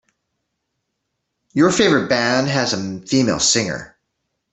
Your favorite band has a female singer.